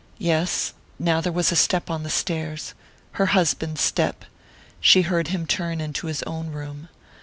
Yes; now there was a step on the stairs her husband's step! She heard him turn into his own room.